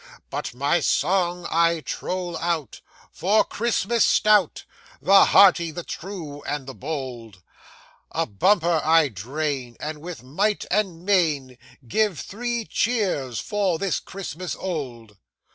'But my song I troll out, for _Christmas _Stout, The hearty, the true, and the bold; A bumper I drain, and with might and main Give three cheers for this Christmas old!